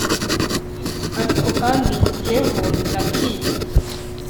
Ariko kandi jyeho ndacyizi